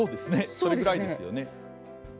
それぐらいですよね。